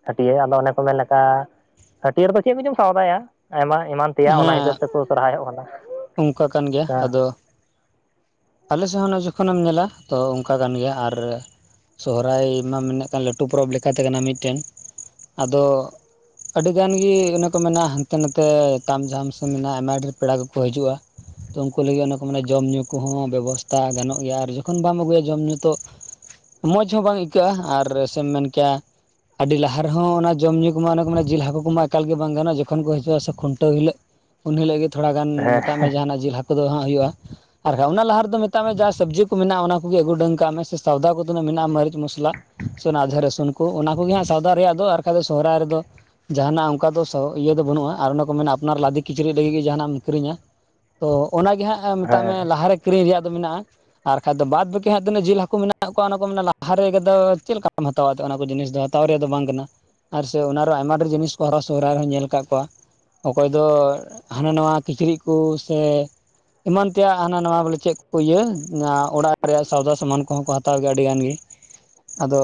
ᱦᱟᱹᱴᱭᱟᱹ ᱟᱫᱚ ᱚᱱᱮ ᱠᱚ ᱢᱮᱱ ᱞᱮᱠᱟ ᱦᱟᱹᱴᱭᱟᱹᱨ ᱨᱮᱫᱚ ᱪᱮᱫ ᱠᱚᱪᱚᱢ ᱥᱣᱫᱟᱭᱟ ᱟᱭᱢᱟ ᱮᱢᱟᱱ ᱛᱮᱭᱟᱜ ᱚᱱᱟ ᱦᱮᱸ ᱦᱤᱥᱟᱹᱵ ᱛᱮᱠᱚ ᱥᱚᱨᱦᱟᱹᱭᱚᱜ ᱠᱟᱱᱟ᱾ ᱚᱱᱠᱟ ᱠᱟᱱ ᱜᱮᱭᱟ, ᱟᱫᱚ ᱦᱮᱸ ᱟᱞᱮ ᱥᱮᱫ ᱦᱚᱸ ᱡᱚᱠᱷᱚᱱᱮᱢ ᱧᱮᱞᱟ ᱛᱚ ᱚᱱᱠᱟ ᱠᱟᱱ ᱜᱮᱭᱟ, ᱟᱨ ᱥᱚᱦᱨᱟᱹᱭ ᱢᱟ ᱢᱮᱱᱮᱫ ᱠᱟᱱ ᱞᱟᱹᱴᱩ ᱯᱚᱨᱚᱵᱽ ᱞᱮᱠᱟᱛᱮ ᱠᱟᱱᱟ ᱢᱤᱫᱴᱮᱱ, ᱟᱫᱚ ᱟᱹᱰᱤ ᱜᱟᱱ ᱜᱤ ᱚᱱᱮ ᱠᱚ ᱢᱮᱱᱟ ᱦᱟᱸᱱᱛᱮ ᱱᱟᱛᱮ ᱛᱟᱢ ᱡᱷᱟᱢ ᱥᱮ ᱢᱮᱱᱟᱜᱼᱟ ᱟᱭᱢᱟ ᱰᱷᱮᱨ ᱯᱮᱲᱟ ᱠᱚ ᱦᱤᱡᱩᱜᱼᱟ᱾ ᱛᱚ ᱩᱱᱠᱩ ᱞᱟᱹᱜᱤᱫ ᱚᱱᱟ ᱠᱚ ᱡᱚᱢ ᱧᱩ ᱠᱚᱦᱚᱸ ᱵᱮᱵᱚᱥᱛᱷᱟ ᱜᱟᱱᱚᱜ ᱜᱮᱭᱟ ᱟᱨ ᱡᱚᱠᱷᱚᱱ ᱵᱟᱢ ᱟᱹᱜᱩᱭᱟ ᱡᱚᱢᱼᱧᱩ ᱛᱚ ᱢᱚᱡᱽ ᱦᱚᱸ ᱵᱟᱝ ᱟᱹᱭᱠᱟᱹᱜᱼᱟ ᱟᱨ ᱥᱮᱢ ᱢᱮᱱ ᱠᱮᱭᱟ ᱟᱹᱰᱤ ᱞᱟᱦᱟ ᱨᱮᱦᱚᱸ ᱚᱱᱟ ᱡᱚᱢᱧᱩ ᱠᱚᱢᱟ ᱚᱱᱟ ᱠᱚᱢᱟ ᱡᱤᱞ ᱦᱟᱹᱠᱩ ᱠᱚᱢᱟ ᱮᱠᱟᱞ ᱜᱮ ᱵᱟᱝ ᱜᱟᱱᱼᱟ ᱡᱚᱠᱷᱚᱱ ᱠᱚ ᱦᱤᱡᱩᱜᱼᱟ ᱥᱮ ᱠᱷᱩᱱᱴᱟᱹᱣ ᱦᱤᱞᱳᱜ ᱩᱱ ᱦᱤᱞᱳ ᱜᱮ ᱛᱷᱚᱲᱟ ᱜᱟᱱ ᱦᱮᱸ ᱢᱮᱛᱟᱜ ᱢᱮ ᱡᱟᱦᱟᱸᱱᱟᱜ ᱡᱤᱞ ᱦᱟᱹᱠᱩ ᱫᱚ ᱦᱟᱸᱜ ᱦᱩᱭᱩᱜᱼᱟ᱾ ᱟᱨ ᱚᱱᱟ ᱞᱟᱦᱟ ᱨᱮᱫᱚ ᱢᱮᱛᱟᱜ ᱢᱮ ᱡᱟᱦᱟ ᱥᱚᱵᱽᱡᱤ ᱠᱚ ᱢᱮᱱᱟᱜᱼᱟ ᱚᱱᱟ ᱠᱚᱜᱮ ᱟᱹᱜᱩ ᱰᱟᱹᱝᱠᱟᱜ ᱢᱮ ᱥᱮ ᱥᱟᱣᱫᱟ ᱠᱚᱫᱚᱱᱟᱹᱜ ᱢᱮᱱᱟᱜᱼᱟ ᱢᱟᱹᱨᱤᱪ ᱢᱚᱥᱞᱟ ᱥᱮ ᱚᱱᱟ ᱟᱫᱷᱟ ᱨᱟᱹᱥᱩᱱ ᱠᱚ ᱚᱱᱟ ᱠᱚᱜᱮ ᱦᱟᱸᱜ ᱥᱟᱶᱣᱫᱟ ᱨᱮᱭᱟᱜ ᱫᱚ ᱟᱨ ᱵᱟᱠᱷᱟ ᱫᱚ ᱥᱚᱦᱚᱨᱟᱭ ᱨᱮᱫᱚ ᱡᱟᱦᱟᱸᱱᱟᱜ ᱚᱱᱠᱟ ᱫᱚ ᱥᱚ ᱤᱭᱟᱹ ᱫᱚ ᱵᱟᱹᱱᱩᱜ-ᱟ ᱟᱨ ᱚᱱᱟ ᱠᱚ ᱢᱮᱱᱟ ᱟᱯᱱᱟᱨ ᱞᱟᱫᱮ ᱠᱤᱪᱨᱤᱡ ᱞᱟᱹᱜᱤᱫ ᱜᱮ ᱡᱟᱦᱟᱸᱱᱟᱜ ᱮᱢ ᱠᱤᱨᱤᱧᱟ, ᱛᱚ ᱚᱱᱟᱜᱮ ᱦᱟᱸᱜ ᱢᱮᱛᱟᱜ ᱢᱮ ᱦᱮᱸ ᱞᱟᱦᱟᱨᱮ ᱠᱤᱨᱤᱧ ᱨᱮᱭᱟᱜ ᱫᱚ ᱢᱮᱱᱟᱜᱼᱟ᱾ ᱟᱨ ᱠᱷᱟᱡ ᱫᱚ ᱵᱟᱫ ᱵᱟᱹᱠᱤ ᱦᱟᱸᱜ ᱛᱱᱟᱹᱜ ᱡᱤᱞ ᱦᱟᱹᱠᱩ ᱢᱮᱱᱟᱜ ᱠᱚᱣᱟ ᱚᱱᱟ ᱠᱚ ᱞᱟᱦᱟ ᱨᱮᱫᱚ ᱪᱮᱫ ᱞᱮᱠᱟᱢ ᱦᱟᱛᱟᱣᱟ ᱚᱱᱟ ᱠᱚ ᱡᱤᱱᱤᱥ ᱫᱚ? ᱦᱟᱛᱟᱣ ᱨᱮᱭᱟᱜ ᱫᱚ ᱵᱟᱝ ᱠᱟᱱᱟ ᱟᱨ ᱥᱮ ᱚᱱᱟᱨᱮ ᱟᱭᱢᱟ ᱰᱷᱮᱨ ᱡᱤᱱᱤᱥ ᱠᱚ ᱦᱟᱨᱟ ᱥᱚᱦᱚᱨᱟᱭ ᱨᱮᱦᱚᱸ ᱧᱮᱞ ᱠᱟᱜ ᱠᱚᱣᱟ, ᱚᱠᱚᱭ ᱫᱚ ᱦᱟᱸᱱᱟ ᱱᱟᱭᱟ ᱠᱤᱪᱨᱤᱪ ᱠᱩ ᱥᱮ ᱮᱢᱟᱱ ᱛᱮᱭᱟᱜ ᱦᱟᱸᱱᱟ ᱱᱟᱣᱟ ᱵᱚᱞᱮ ᱪᱮᱫ ᱠᱚ ᱤᱭᱟᱹ ᱚᱲᱟᱜ ᱨᱮᱭᱟᱜ ᱥᱣᱫᱟ ᱥᱟᱢᱟᱱ ᱠᱚᱦᱚᱸ ᱠᱚ ᱦᱟᱛᱟᱣ ᱜᱮᱭᱟ ᱟᱹᱰᱤ ᱜᱟᱱ ᱜᱮ᱾ ᱟᱫᱚ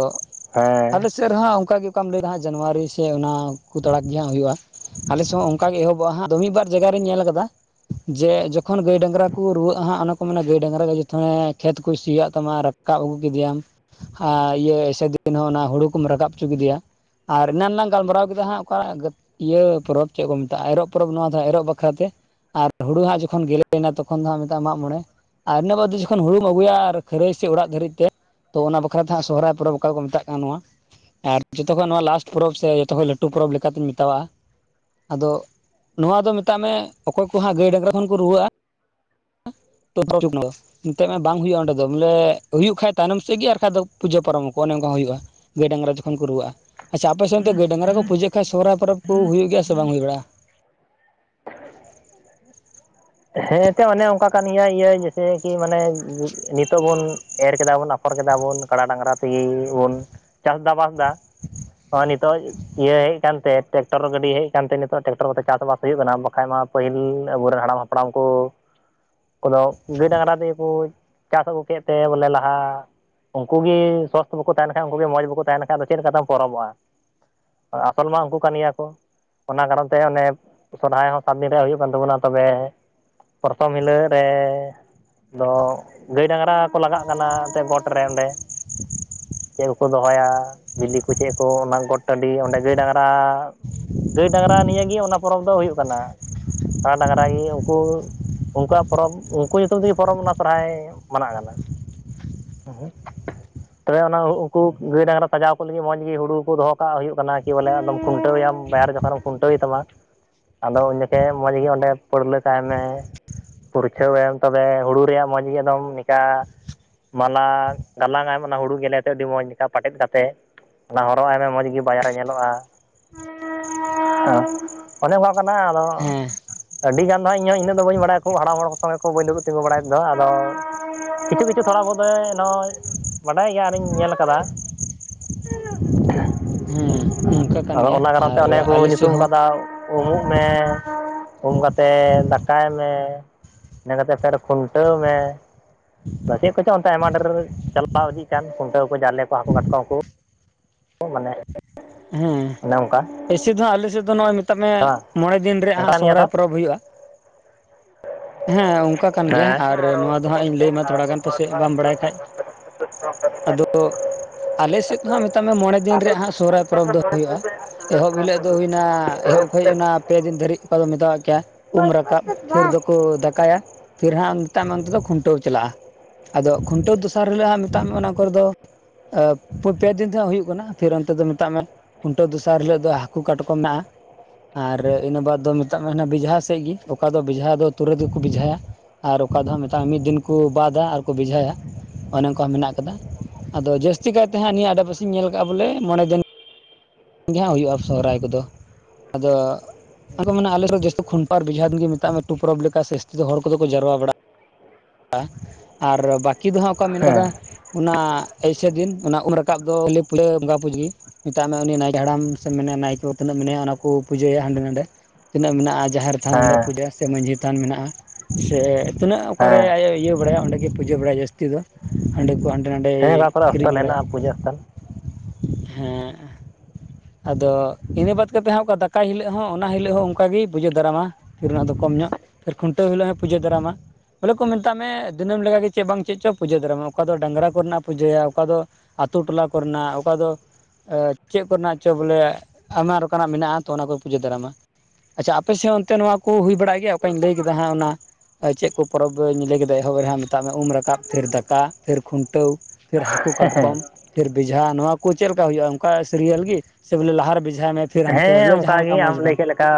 ᱦᱮᱸ᱾ ᱟᱞᱮ ᱥᱮᱫ ᱨᱮᱦᱚ ᱚᱱᱠᱟᱜ ᱜᱮ ᱚᱠᱟᱢ ᱞᱟᱹᱭᱫᱟ ᱦᱟᱸᱜ ᱡᱟᱱᱩᱣᱟᱨᱤ ᱥᱮ ᱚᱱᱟ ᱠᱚ ᱛᱟᱲᱟᱜ ᱜᱮ ᱦᱟᱸᱜ ᱦᱩᱭᱩᱜ-ᱟ᱾ ᱟᱞᱮ ᱥᱮᱫ ᱦᱚᱸ ᱚᱱᱠᱟ ᱜᱮ ᱮᱦᱚᱵᱚᱜᱼᱟ ᱦᱟᱸᱜ ᱛᱚ ᱢᱤᱫ ᱵᱟᱨ ᱡᱟᱭᱜᱟ ᱨᱤᱧ ᱧᱮᱞ ᱠᱟᱫᱟ, ᱡᱮ ᱡᱚᱠᱷᱚᱱ ᱜᱟᱹᱭ ᱰᱟᱝᱨᱟ ᱠᱩ ᱨᱩᱣᱟᱹᱜ-ᱟ ᱦᱟᱸᱜ ᱚᱱᱟ ᱠᱚ ᱢᱮᱱᱟ ᱜᱟᱹᱭ ᱰᱟᱝᱨᱟ ᱜᱮ ᱡᱚᱛᱚᱢ ᱮ ᱠᱷᱮᱛ ᱠᱚ ᱥᱤᱭᱟᱜ ᱛᱟᱢᱟ, ᱨᱟᱠᱟᱵ ᱟᱹᱜᱩ ᱠᱮᱫᱮᱭᱟᱢ ᱟᱨ ᱤᱭᱟᱹ ᱮᱥᱮ ᱫᱤᱱ ᱦᱚᱸ ᱚᱱᱟ ᱦᱩᱲᱩ ᱠᱚᱢ ᱨᱟᱠᱟᱵ ᱦᱚᱪᱚ ᱠᱮᱫᱮᱭᱟ᱾ ᱟᱨ ᱮᱱᱟᱱ ᱞᱟᱝ ᱜᱟᱞᱢᱟᱨᱟᱣ ᱠᱮᱫᱟ ᱦᱟᱸᱜ ᱚᱠᱟ ᱤᱭᱟᱹ ᱯᱚᱨᱚᱵᱽ ᱪᱮᱫ ᱠᱚ ᱢᱮᱛᱟᱜ-ᱟ ᱮᱨᱚᱜ ᱯᱚᱨᱚᱵᱽ ᱱᱚᱣᱟ ᱫᱚ ᱮᱨᱚᱜ ᱵᱟᱠᱷᱨᱟ ᱛᱮ, ᱦᱩᱲᱩ ᱦᱟᱸᱜ ᱡᱚᱠᱷᱚᱱ ᱜᱮᱞᱮᱱᱟ ᱛᱚᱠᱷᱚᱱ ᱫᱚ ᱦᱟᱸᱜ ᱢᱮᱛ-ᱟ ᱢᱟᱜ ᱢᱚᱬᱮ᱾ ᱟᱨ ᱤᱱᱟᱹ ᱵᱟᱫᱚ ᱡᱚᱠᱷᱚᱱ ᱦᱩᱲᱩᱢ ᱟᱹᱩᱭᱟ ᱠᱷᱟᱹᱨᱟᱹᱭ ᱥᱮ ᱚᱲᱟᱜ ᱫᱷᱟᱹᱨᱤᱡ ᱛᱮ, ᱛᱚ ᱚᱱᱟ ᱵᱟᱠᱷᱨᱟᱛᱮ ᱦᱟᱸᱜ ᱥᱚᱦᱚᱨᱟᱭ ᱯᱚᱨᱚᱵᱽ ᱚᱠᱟ ᱠᱚ ᱢᱮᱛᱟᱜ ᱠᱟᱱᱟ ᱱᱚᱣᱟ ᱟᱨ ᱡᱚᱛᱚᱠᱷᱚᱡ ᱱᱚᱣᱟ ᱞᱟᱥᱴ ᱯᱚᱨᱚᱵᱽ ᱥᱮ ᱡᱚᱛᱚᱠᱷᱚᱡ ᱞᱟᱹᱴᱩ ᱯᱚᱨᱚᱵᱽᱤᱧ ᱢᱮᱛᱟᱣᱟᱜ-ᱟ ᱟᱫᱚ ᱱᱚᱣᱟ ᱫᱚ ᱢᱮᱛᱟᱜ ᱢᱮ ᱚᱠᱚᱭ ᱠᱚ ᱦᱟᱸᱜ ᱜᱟᱹᱭ ᱰᱟᱝᱨᱟ ᱠᱷᱚᱱ ᱠᱚ ᱨᱩᱣᱟᱹᱜ-ᱟ, [unintelligible] ᱮᱱᱛᱜ ᱢᱟ ᱵᱟᱝ ᱦᱩᱭᱩᱜᱼᱟ ᱚᱸᱰᱮ ᱫᱚ ᱵᱚᱞᱮ ᱦᱩᱭᱩᱜ ᱠᱷᱟᱡ ᱛᱟᱭᱱᱚᱢ ᱥᱮᱫ ᱜᱮ ᱟᱨ ᱵᱟᱝᱠᱷᱟᱡ ᱫᱚ ᱯᱩᱡᱟᱹ ᱯᱟᱨᱚᱢ ᱟᱠᱚ ᱚᱱᱮ ᱚᱱᱠᱟ ᱦᱩᱭᱩᱜ-ᱟ᱾ ᱜᱟᱹᱭ ᱰᱟᱝᱨᱟ ᱡᱚᱠᱷᱚᱱ ᱠᱚ ᱨᱩᱣᱟᱹᱜᱼᱟ, ᱟᱪᱪᱷᱟ ᱟᱯᱮ ᱥᱮᱱ ᱫᱚ ᱜᱟᱹᱭ ᱰᱟᱝᱨᱟ ᱠᱚ ᱯᱩᱡᱟᱹᱜ ᱠᱷᱟᱱ ᱥᱚᱦᱚᱨᱟᱭ ᱯᱚᱨᱚᱵᱽ ᱠᱚ ᱦᱩᱭᱩᱜ ᱜᱮᱭᱟ ᱥᱮ ᱵᱟᱝ ᱦᱩᱭ ᱵᱟᱲᱟᱜ-ᱟ? [unintelligible] ᱦᱮᱸ ᱮᱱᱛᱚ ᱚᱱᱮ ᱚᱱᱠᱟ ᱠᱟᱱ ᱜᱤᱭᱟᱹ ᱤᱭᱟᱹ ᱡᱮᱭᱥᱮ ᱠᱤ ᱢᱟᱱᱮ ᱱᱤᱛᱚᱜ ᱵᱚᱱ ᱮᱨ ᱠᱮᱫᱟ ᱵᱚᱱ ᱟᱯᱷᱚᱨ ᱠᱮᱫᱟ ᱵᱚᱱ ᱠᱟᱲᱟ ᱰᱟᱝᱨᱟ ᱛᱮᱜᱮ ᱵᱚᱱ ᱪᱟᱥ ᱫᱟ ᱵᱟᱥ ᱫᱟ ᱾ ᱦᱚᱸ ᱱᱤᱛᱚᱜ ᱤᱭᱟᱹ ᱦᱮᱡ ᱟᱠᱟᱱᱛᱮ ᱴᱨᱮᱠᱴᱚᱨ ᱜᱟᱹᱰᱤ ᱦᱮᱡ ᱟᱠᱟᱱᱛᱮ ᱱᱤᱛᱚᱜ ᱴᱨᱟᱠᱴᱚᱨ ᱠᱚᱛᱮ ᱪᱟᱥᱵᱟᱥ ᱦᱩᱭᱩᱜ ᱠᱟᱱᱟ ᱵᱟᱠᱟᱱ ᱢᱟ ᱯᱟᱹᱦᱤᱞ [inaudible] ᱟᱵᱚᱨᱮᱱ ᱦᱟᱲᱟᱢ ᱦᱟᱯᱲᱟᱢ ᱠᱚ ᱠᱚᱫᱚ ᱜᱟᱹᱭ ᱰᱟᱝᱨᱟ ᱛᱮᱜᱮ ᱠᱚ ᱪᱟᱥ ᱟᱹᱜᱩ ᱠᱮᱫᱹᱛᱮ ᱵᱚᱞᱮ ᱞᱟᱦᱟ ᱩᱱᱠᱩᱜ ᱜᱮ ᱥᱥᱛᱷ ᱵᱟᱠᱚ ᱛᱟᱦᱮᱱ ᱠᱷᱟᱡ ᱩᱱᱠᱩᱜ ᱜᱮ ᱢᱚᱸᱡᱽ ᱵᱟᱠᱚ ᱛᱟᱦᱮᱱ ᱠᱷᱟᱡ ᱪᱮᱫ ᱞᱮᱠᱟᱛᱮᱢ ᱯᱚᱨᱚᱵᱚ-ᱟ᱾ ᱟᱥᱚᱞ ᱢᱟ ᱩᱱᱠᱩ ᱠᱟᱱ ᱜᱮᱭᱟ ᱠᱚ ᱚᱱᱟ ᱠᱟᱨᱚᱱ ᱛᱮ ᱚᱱᱮ ᱥᱚᱨᱦᱚᱟᱭ ᱦᱚᱸ ᱥᱟᱢᱱᱮᱨᱮ ᱦᱩᱭᱩᱜ ᱠᱟᱱ ᱛᱟᱵᱚᱱᱟ ᱛᱚᱵᱮ ᱯᱨᱚᱛᱷᱚᱢ ᱦᱤᱞᱳᱜ ᱨᱮ ᱟᱫᱚ ᱜᱟᱹᱭ ᱰᱟᱝᱨᱟ ᱠᱚ ᱞᱟᱜᱟᱜ ᱠᱟᱱᱟ ᱮᱱᱛᱮ ᱜᱚᱴ ᱨᱮ ᱚᱸᱰᱮ ᱪᱮᱫ ᱠᱚᱠᱚ ᱫᱚᱦᱚᱭᱟ ᱵᱤᱞᱤ ᱠᱚ ᱪᱮᱫ ᱠᱚ ᱚᱱᱟ ᱜᱚᱴ ᱴᱟᱺᱰᱤ ᱚᱸᱰᱮ ᱜᱟᱹᱭ ᱰᱟᱝᱨᱟ ᱜᱟᱹᱭ ᱰᱟᱝᱨᱟ ᱱᱤᱭᱟᱹᱜᱮ ᱚᱱᱟ ᱯᱚᱨᱚᱵᱽ ᱫᱚ ᱦᱩᱭᱩᱜ ᱠᱟᱱᱟ᱾ [unintelligible] ᱰᱟᱝᱨᱟ ᱜᱮ ᱩᱱᱠᱩ ᱩᱱᱠᱩᱣᱟ ᱯᱚᱨᱚᱵᱽ ᱩᱱᱠᱩ ᱧᱩᱛᱩᱢ ᱛᱮᱜᱮ ᱯᱚᱨᱚᱵᱽ ᱚᱱᱟ ᱥᱚᱨᱦᱚᱟᱭ ᱢᱟᱱᱟ ᱠᱟᱱᱟ᱾ [unintelligible] ᱛᱚᱵᱮ ᱚᱱᱟ ᱩᱱᱠᱩ ᱜᱟᱭ ᱰᱟᱝᱨᱟ ᱥᱟᱢᱟᱝ ᱥᱟᱡᱟᱣ ᱠᱚ ᱞᱟᱹᱜᱤᱫ ᱢᱚᱡᱽ ᱜᱮ ᱦᱩᱲᱩ ᱠᱚ ᱫᱚᱦᱚ ᱠᱟᱜ ᱦᱩᱭᱩᱜ ᱠᱟᱱᱟ ᱠᱤ ᱵᱚᱞᱮ ᱟᱫᱚᱢ ᱠᱷᱩᱱᱴᱟᱹᱣ ᱮᱭᱟᱢ ᱵᱟᱭᱟᱨ ᱡᱚᱠᱷᱚᱱᱮᱢ ᱠᱷᱩᱱᱴᱟᱹᱣ ᱛᱟᱢᱟ ᱟᱫᱚ ᱩᱱ ᱡᱚᱠᱷᱮᱡ ᱢᱚᱡᱽ ᱜᱮ ᱚᱸᱰᱮ ᱯᱟᱹᱲᱞᱟᱹ ᱟᱭ ᱢᱮ, ᱯᱷᱩᱨᱪᱷᱟᱹᱣᱮᱢ ᱛᱚᱵᱮ ᱦᱩᱲᱩ ᱨᱮᱭᱟᱜ ᱢᱚᱡᱽ ᱜᱮ ᱮᱠᱫᱚᱢ ᱱᱤᱝᱠᱟ- ᱢᱟᱞᱟ ᱜᱟᱞᱟᱝ ᱟᱭᱢᱮ ᱚᱱᱟ ᱦᱩᱲᱩ ᱜᱮᱞᱮ ᱛᱮ ᱟᱹᱰᱤ ᱢᱚᱡᱽᱠᱟ ᱯᱟᱴᱮᱫ ᱠᱟᱛᱮᱫ, ᱚᱱᱟ ᱦᱚᱨᱚᱜ ᱟᱭᱢᱮ ᱢᱚᱡᱽ ᱜᱮ ᱵᱟᱭᱟᱨ ᱮ ᱧᱮᱞᱚᱜ-ᱟ᱾ ᱚᱱᱮ ᱚᱱᱠᱟ ᱠᱟᱱᱟ ᱟᱫᱚ ᱦᱮᱸ ᱟᱹᱰᱤ ᱜᱟᱱ ᱫᱚ ᱦᱟᱸᱜ ᱤᱧᱦᱚᱸ ᱤᱱᱟᱹᱜ ᱫᱚ ᱵᱟᱹᱧ ᱵᱟᱲᱟᱭᱟ ᱠᱷᱩᱵ ᱦᱟᱲᱟᱢ ᱦᱚᱲ ᱠᱚ ᱥᱚᱸᱜᱮ ᱠᱚ ᱵᱟᱹᱧ ᱰᱩᱭᱩᱵ ᱛᱤᱸᱜᱩ ᱵᱟᱲᱟᱭᱮᱫᱟ, ᱟᱫᱚ ᱠᱤᱪᱷᱩ ᱠᱤᱪᱷᱩ ᱛᱷᱚᱲᱟ [inaudible] ᱱᱹᱚᱭ ᱵᱟᱰᱟᱭ ᱜᱮᱭᱟ ᱟᱨᱤᱧ ᱧᱮᱞ ᱠᱟᱫᱟ᱾ ᱦᱮᱸ ᱱᱚᱝᱠᱟ [unintelligible] ᱠᱟᱱ ᱟᱫᱚ ᱜᱮᱭᱟ ᱚᱱᱟ ᱠᱟᱨᱚᱱ ᱛᱮ ᱟᱨ ᱚᱱᱮ ᱠᱚ ᱟᱞᱮ ᱥᱮᱫ ᱧᱩᱛᱩᱢ ᱦᱚᱸ ᱠᱟᱫᱟ ᱩᱢᱩ ᱢᱮ ᱾ ᱩᱢ ᱠᱟᱛᱮ ᱫᱟᱠᱟᱭ ᱢᱮ ᱤᱱᱟᱹ ᱠᱟᱛᱮ ᱠᱷᱩᱱᱴᱟᱹᱣ ᱢᱮ ᱾ ᱪᱮᱫ ᱠᱚᱪᱚᱝ ᱚᱱᱛᱮ ᱟᱭᱢᱟ ᱰᱷᱮᱨ ᱪᱟᱞᱟᱣ ᱤᱫᱤᱜ ᱠᱟᱱ ᱠᱷᱩᱱᱴᱟᱹᱣ ᱠᱚ ᱡᱟᱞᱮ ᱠᱚ ᱦᱟᱹᱠᱩ ᱠᱟᱴᱠᱚᱢ ᱠᱚ ᱾ ᱢᱟᱱᱮ ᱦᱮᱸ ᱚᱱᱮ ᱚᱱᱠᱟ ᱦᱮᱸ ᱮᱭᱮᱥᱮ ᱫᱚ ᱦᱟᱸᱜ ᱟᱞᱮ ᱥᱮᱫ ᱫᱚ ᱱᱚᱼᱚᱭ ᱢᱮᱛᱟᱢᱮ ᱵᱟᱝ ᱢᱚᱬᱮ ᱫᱤᱱ ᱨᱮ ᱚᱱᱠᱟ ᱦᱟᱸᱜ ᱱᱤᱭᱟᱹ ᱥᱚᱦᱚᱨᱟᱭ ᱫᱷᱟᱣ ᱯᱚᱨᱚᱵᱽ ᱦᱩᱭᱩᱜᱼᱟ᱾ ᱦᱮᱸ ᱚᱱᱠᱟ ᱠᱟᱱ ᱜᱮᱭᱟ [unintelligible] ᱟᱨ ᱱᱚᱣᱟ ᱫᱚ ᱦᱟᱸᱜ ᱤᱧ ᱞᱟᱹᱭᱟᱢᱟ ᱛᱷᱚᱲᱟ ᱜᱟᱱ ᱯᱟᱥᱮᱡ ᱵᱟᱢ ᱵᱟᱲᱟᱭ [unintelligible] ᱠᱷᱟᱡ ᱟᱫᱚ [unintelligible] ᱟᱞᱮ ᱥᱮᱫ ᱫᱚ ᱦᱟᱸᱜ ᱢᱮᱛᱟ ᱢᱮ ᱢᱚᱬᱮ ᱫᱤᱱ ᱨᱮᱭᱟᱜ ᱦᱟᱸᱜ ᱥᱚᱦᱚᱨᱟᱭ ᱯᱚᱨᱚᱵᱽ ᱫᱚ ᱦᱩᱭᱩᱼᱟ ᱮᱦᱚᱵ ᱦᱤᱞᱳᱜ ᱫᱚ ᱦᱩᱭᱱᱟ ᱮᱦᱚᱵ ᱦᱳᱭ ᱚᱱᱟ ᱯᱮ ᱫᱤᱱ ᱫᱷᱟᱨᱤᱡ ᱚᱠᱟ ᱫᱚᱢ ᱢᱮᱛᱟ ᱟᱜ ᱠᱮᱭᱟ ᱩᱢ ᱦᱮᱸ ᱨᱟᱠᱟᱵ ᱯᱷᱤᱨ ᱫᱚᱠᱚ ᱠᱚ ᱫᱟᱠᱟᱭᱟ ᱯᱷᱤᱨ ᱦᱟᱸᱜ ᱚᱱᱛᱮ ᱚᱱᱛᱮᱫᱚ ᱠᱷᱩᱱᱴᱟᱹᱣ ᱪᱟᱞᱟᱜᱼᱟ᱾ ᱟᱫᱚ ᱠᱷᱩᱱᱴᱟᱹᱣ ᱫᱚᱥᱟᱨ ᱦᱤᱞᱳᱜ ᱦᱟ ᱢᱮᱛᱟ ᱢᱮ ᱚᱱᱟ ᱠᱚᱨᱮ ᱫᱚ ᱟ ᱯᱮ ᱫᱤᱱ ᱛᱮ ᱦᱟᱜ ᱦᱩᱭᱩᱜ ᱠᱟᱱᱟ ᱯᱷᱤᱨ ᱚᱱᱛᱮ ᱫᱚ ᱢᱮᱛᱟ ᱢᱮ ᱠᱷᱩᱱᱴᱟᱹᱣ ᱫᱚᱥ ᱫᱚᱥᱟᱨ ᱦᱤᱞᱳᱜ ᱫᱚ ᱦᱟᱹᱠᱩ ᱠᱟᱴᱠᱚᱢ ᱢᱮᱱᱟᱜᱼᱟ᱾ ᱟᱨ ᱤᱱᱟᱹ ᱵᱟᱫ ᱫᱚ ᱢᱮᱛᱟᱜ ᱢᱮ ᱦᱟᱱᱮ ᱵᱮᱡᱷᱟ ᱥᱮᱫ ᱜᱮ ᱚᱠᱟ ᱫᱚ ᱵᱮᱡᱷᱟ ᱫᱚ ᱛᱩᱨᱟᱹᱛ ᱜᱮᱠᱚ ᱵᱮᱡᱷᱟᱭᱟ᱾ ᱟᱨ ᱚᱠᱟ ᱫᱚ ᱦᱟᱸ ᱢᱮᱛᱟᱼᱟ ᱢᱤᱫ ᱫᱤᱱ ᱠᱚ ᱵᱟᱫ ᱟ ᱟᱨᱠᱚ ᱵᱮᱡᱷᱟᱭᱟ ᱚᱱᱮ ᱚᱱᱠᱟ ᱢᱮᱱᱟᱜ ᱠᱟᱫᱟ ᱟᱫᱚ ᱡᱟᱹᱥᱛᱤ ᱠᱟᱭᱛᱮ ᱦᱟᱸ ᱱᱤᱭᱟᱹ ᱟᱰᱮᱯᱟᱥᱮᱧ ᱧᱮᱞ ᱠᱟᱫᱟ ᱵᱚᱞᱮ ᱢᱚᱬᱮ ᱫᱤᱱ ᱜᱮ ᱦᱟᱸᱜ ᱦᱩᱭᱩᱜᱼᱟ ᱥᱚᱦᱚᱨᱟᱭ ᱠᱚᱫᱚ ᱟᱫᱚ ᱟᱫᱚ ᱢᱟᱱᱮ ᱟᱞᱮ ᱫᱚ ᱡᱟᱹᱥᱛᱤ ᱠᱷᱩᱱᱴᱟ ᱟᱨ ᱵᱮᱡᱷᱟ ᱜᱮ ᱢᱮᱛᱟᱜ ᱢᱮ ᱟᱛᱩ ᱯᱚᱵᱽ ᱞᱮᱠᱟ ᱥᱮ ᱡᱟᱥᱛᱤ ᱦᱚᱲ ᱠᱚᱫᱚ ᱠᱚ ᱡᱟᱣᱨᱟ ᱵᱟᱲᱟᱼᱟ ᱟᱨ ᱵᱟᱹᱠᱤ ᱫᱚ ᱦᱟᱸᱜ ᱚᱠᱟᱢ ᱢᱮᱱ ᱠᱟᱫᱟ ᱚᱱᱟ ᱮᱭᱥᱮᱫᱤᱱ ᱚᱱᱟ ᱩᱢ ᱨᱟᱠᱟᱵ ᱫᱚ [unintelligible] ᱢᱮᱛᱟᱜ ᱢᱮ ᱩᱱᱤ ᱱᱟᱭᱠᱮ ᱦᱟᱲᱟᱢ ᱥᱮ ᱢᱮᱱᱟᱭᱟ ᱱᱟᱭᱠᱮ ᱛᱤᱱᱟᱹ ᱢᱮᱱᱟᱭᱟ ᱚᱱᱟ ᱠᱚ ᱯᱩᱡᱟᱹᱭᱟ ᱦᱟᱸᱰᱮ ᱱᱟᱰᱮ ᱛᱤᱱᱟᱹ ᱢᱮᱱᱟᱜᱼᱟ ᱡᱟᱦᱮᱨ ᱛᱷᱟᱱ ᱚᱸᱰᱮ ᱦᱮᱸ ᱯᱩᱡᱟᱹᱭᱟ ᱥᱮ ᱢᱟᱺᱡᱷᱤ ᱛᱷᱟᱱ ᱢᱮᱱᱟᱜᱼᱟ ᱥᱮ ᱛᱤᱱᱟᱹᱜ ᱚᱠᱟᱨᱮ ᱦᱮᱸ ᱟᱭ ᱤᱭᱟᱹ ᱵᱟᱲᱟᱭᱟ ᱚᱸᱰᱮᱜᱮ ᱯᱩᱡᱟᱹ ᱵᱟᱲᱟᱭᱟ ᱡᱟᱹᱥᱛᱤ ᱫᱚ ᱦᱟᱸᱰᱤ ᱠᱚ ᱦᱟᱸᱰᱮ ᱱᱟᱰᱮ ᱦᱮᱸ ᱚᱠᱟ ᱠᱚᱨᱮ ᱦᱤᱨᱤᱡ ᱥᱛᱷᱚᱞ ᱵᱟᱲᱟᱭᱟ᱾ ᱦᱮᱱᱟᱜᱼᱟ ᱯᱩᱡᱟᱹ ᱥᱛᱷᱚᱞ ᱦᱮᱸ ᱟᱫᱚ ᱤᱱᱟᱹ ᱵᱟᱫ ᱠᱟᱛᱮᱮᱫ ᱦᱟᱸ ᱚᱱᱠᱟ ᱫᱟᱠᱟᱭ ᱦᱤᱞᱳᱜ ᱦᱚᱸ ᱚᱱᱟ ᱦᱤᱞᱳᱜ ᱦᱚᱸ ᱚᱱᱠᱟᱜᱮ ᱯᱩᱡᱟ. ᱫᱟᱨᱟᱢᱟ᱾ ᱯᱷᱤᱨ ᱚᱱᱟ ᱫᱚ ᱠᱚᱢ ᱧᱚᱜ ᱠᱷᱩᱱᱴᱟᱹᱣ ᱦᱤᱞᱳᱜ ᱯᱩᱡᱟᱹ ᱫᱟᱨᱟᱢᱟ᱾ ᱵᱚᱞᱮ ᱠᱚ ᱢᱮᱛᱟᱜ ᱢᱮ ᱫᱤᱱᱟᱹᱢ ᱞᱮᱠᱟᱜᱮ ᱪᱮᱫ ᱵᱟᱝ ᱪᱮᱫ ᱪᱚ ᱯᱩᱡᱟᱹ ᱫᱟᱨᱟᱢᱟ ᱚᱠᱟ ᱫᱚ ᱰᱟᱝᱨᱟ ᱠᱚᱨᱮᱱᱟᱜ ᱯᱩᱡᱟᱹᱭᱟ ᱚᱠᱟ ᱫᱚ ᱟᱛᱳ ᱴᱚᱞᱟ ᱠᱚᱨᱮᱱᱟᱜ ᱚᱠᱟ ᱫᱚ ᱪᱮᱫ ᱠᱚᱨᱮᱱᱟᱜ ᱪᱚ ᱵᱚᱞᱮ ᱟᱭᱢᱟ ᱨᱚᱠᱚᱢᱟᱜ ᱢᱮᱱᱟᱜᱼᱟ ᱛᱚ ᱚᱱᱟ ᱠᱚ ᱯᱩᱡᱟᱹ ᱫᱟᱨᱟᱢᱟ᱾ ᱟᱪᱪᱷᱟ ᱟᱯᱮᱥᱮᱡ ᱦᱚ ᱚᱱᱛᱮ ᱱᱚᱣᱟ ᱠᱚ ᱦᱩᱭ ᱵᱟᱲᱟᱜ ᱜᱮᱭᱟ ᱚᱠᱟᱧ ᱞᱟᱹᱭ ᱠᱮᱫᱟ ᱦᱟᱸᱜ ᱚᱱᱟ ᱪᱮᱫ ᱠᱚ? ᱯᱚᱨᱚᱵᱽ ᱤᱧ ᱞᱟᱹᱭ ᱠᱮᱫᱟ ᱮᱦᱚᱵ ᱨᱮᱦᱟᱜ ᱢᱮᱛᱟᱜ ᱢᱮ ᱩᱢ ᱨᱟᱠᱟᱵ ᱯᱷᱤᱨ ᱫᱟᱠᱟ ᱯᱷᱤᱨ ᱠᱷᱩᱱᱴᱟᱹᱣ᱾ ᱯᱷᱤᱨ ᱦᱟᱹᱠᱩ ᱠᱟᱴᱠᱚᱢ ᱦᱮᱸ ᱯᱷᱤᱨ ᱵᱮᱡᱷᱟ ᱱᱚᱣᱟ ᱠᱚ ᱪᱮᱫ ᱞᱮᱠᱟ ᱦᱩᱭᱩᱜᱼᱟ ᱚᱱᱠᱟ ᱥᱤᱨᱤᱭᱟᱞ ᱜᱮ ᱥᱮ ᱵᱚᱞᱮ ᱞᱟᱦᱟ ᱨᱮ ᱵᱮᱡᱷᱟᱭ ᱢᱮ ᱯᱷᱤᱨ ᱦᱟᱱᱛᱮ ᱦᱮᱸ ᱵᱚᱞᱮ ᱚᱱᱠᱟ ᱡᱟᱦᱟᱸ ᱞᱮᱠᱟ ᱜᱮ ᱟᱢ ᱢᱚᱡᱽ ᱞᱟᱹᱭ ᱵᱟᱝ ᱠᱮᱫ ᱞᱮ ᱠᱟ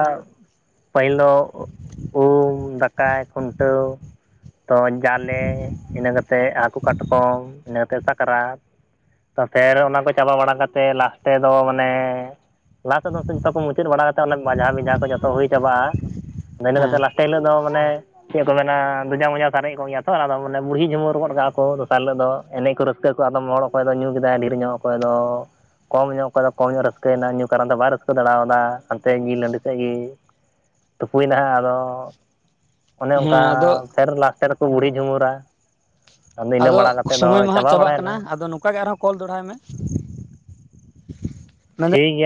ᱯᱟᱹᱦᱤᱞ ᱫᱚ ᱩᱢ ᱫᱟᱠᱟ ᱠᱷᱩᱱᱴᱟᱹᱣ᱾ ᱛᱚ ᱡᱟᱞᱮ ᱤᱱᱟᱹ ᱠᱟᱛᱮᱫ ᱦᱟᱹᱠᱩ ᱠᱟᱴᱠᱚᱢ ᱤᱱᱟᱹ ᱠᱟᱛᱮᱫ ᱥᱟᱠᱨᱟᱛ᱾ ᱛᱚ ᱯᱷᱤᱨ ᱚᱱᱟᱠᱚ ᱪᱟᱵᱟ ᱵᱟᱲᱟ ᱠᱟᱛᱮᱫ ᱞᱟᱥᱴᱮ ᱫᱚ ᱢᱟᱱᱮ ᱞᱟᱦᱟᱛᱮᱫᱚ ᱡᱚᱛᱚ ᱠᱚ ᱢᱩᱪᱟᱹᱫ ᱵᱟᱲᱟ ᱠᱟᱛᱮ ᱚᱱᱮ ᱢᱟᱡᱷᱟ ᱵᱮᱡᱷᱟ ᱠᱚ ᱡᱚᱛᱚ ᱦᱩᱭ ᱪᱟᱵᱟᱜᱼᱟ ᱟᱫᱚ ᱤᱱᱟ ᱦᱮᱸ ᱠᱟᱛᱮᱫ ᱞᱟᱥ ᱴᱮ ᱦᱤᱞᱳᱜ ᱫᱚ ᱢᱟᱱᱮ ᱪᱮᱫ ᱠᱚ ᱢᱮᱱᱟ ᱜᱚᱡᱟ ᱢᱚᱡᱟ ᱥᱟᱨᱮ ᱠᱚᱜ ᱜᱮᱭᱟ ᱛᱚ ᱚᱱᱟ ᱢᱟᱱᱮ ᱵᱩᱲᱦᱤ ᱡᱷᱩᱢᱟᱹ ᱨ ᱜᱚᱫ ᱠᱟᱼᱟ ᱠᱚ ᱫᱚᱥᱟᱨ ᱦᱤᱞᱳᱜ ᱫᱚ ᱮᱱᱮᱡ ᱠᱚ ᱨᱟᱹ ᱨᱟᱹᱥᱠᱟᱹ ᱠᱚ ᱟᱫᱚᱢ ᱦᱚᱲ ᱚᱠᱚᱭ ᱫᱚ ᱧᱩ ᱠᱮᱫᱟᱭ ᱰᱷᱮᱨ ᱧᱚᱜ ᱚᱠᱚᱭ ᱫᱚ ᱠᱚᱢ ᱧᱚᱜ ᱚᱠᱚᱭ ᱫᱚ ᱠᱚᱢ ᱧᱚᱜ ᱨᱟᱹᱥᱠᱟᱹᱭ ᱱᱟ᱾ ᱠᱟᱨᱚᱱ ᱫᱚ ᱵᱟᱭ ᱨᱟᱹᱥᱠᱟᱹ ᱫᱟᱲᱮ ᱣᱟᱫᱟ ᱦᱟᱱᱛᱮ ᱧᱤᱞ ᱦᱟᱺᱰᱤ ᱥᱟᱜᱤᱧ ᱛᱩᱯᱩᱭᱱᱟᱭ ᱟᱫᱚ ᱚᱱᱮ ᱚᱱᱠᱟ ᱦᱮᱸ ᱟᱫᱚ ᱯᱷᱮᱨ ᱞᱟᱥᱴ ᱨᱮᱠᱚ ᱵᱩᱲᱤ ᱡᱷᱩᱢᱩᱨᱟ᱾ ᱤᱱᱟᱹ ᱟᱫᱚ ᱵᱟᱲᱟ ᱠᱟᱛᱮᱫ ᱫᱚ ᱥᱚᱢᱚᱭ ᱢᱟ ᱦᱟᱸᱜ ᱪᱟᱵᱟ ᱪᱟᱵᱟᱜ ᱠᱟᱱᱟ ᱵᱟᱲᱟᱭᱮᱱᱟ ᱟᱫᱚ ᱱᱚᱝᱠᱟ ᱜᱮ ᱟᱨᱦᱚᱸ ᱠᱚᱞ ᱫᱚᱲᱦᱟᱭ ᱢᱮ᱾ ᱴᱷᱤᱠ ᱢᱮᱱᱫᱟᱹᱧ ᱜᱮᱭᱟ